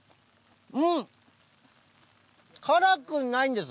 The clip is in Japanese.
うん、辛くないんです。